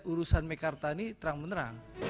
urusan mekarta ini terang menerang